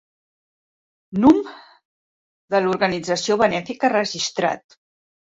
Núm. de l'organització benèfica registrat